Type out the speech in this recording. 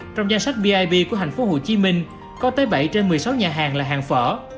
trong danh sách vip của thành phố hồ chí minh có tới bảy trên một mươi sáu nhà hàng là hàng phở